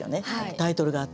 タイトルがあって。